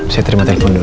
saya terima telepon dulu